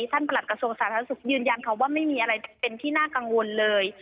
ประหลักระทรวงสาธารณสุขยืนยันค่ะว่าไม่มีอะไรเป็นที่น่ากังวลเลย